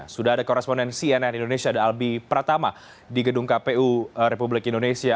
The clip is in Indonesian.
sudah ada koresponensi nri indonesia dan albi pratama di gedung kpu republik indonesia